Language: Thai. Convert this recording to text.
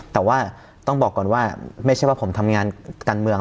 แต่ว่าต้องบอกก่อนว่าไม่ใช่ว่าผมทำงานการเมือง